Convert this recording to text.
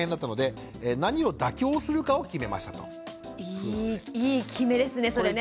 いいいい決めですねそれね。